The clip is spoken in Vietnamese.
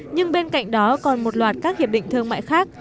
nhưng bên cạnh đó còn một loạt các hiệp định thương mại khác